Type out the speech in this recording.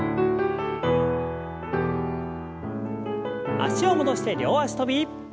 脚を戻して両脚跳び。